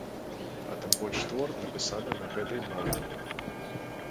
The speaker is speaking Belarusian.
А тым больш твор, напісаны на гэтай мове.